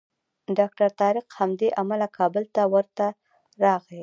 ډاکټر طارق همدې امله کابل ته ورته راغی.